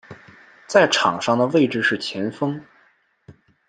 在场上的位置是前锋。